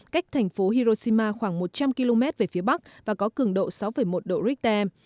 cách thành phố hiroshima khoảng một trăm linh km về phía bắc và có cường độ sáu một độ richter